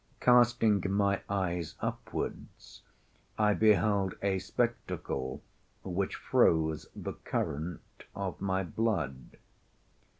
Casting my eyes upwards, I beheld a spectacle which froze the current of my blood.